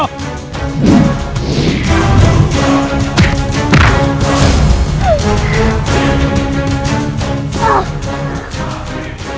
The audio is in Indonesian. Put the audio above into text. sampai jumpa lagi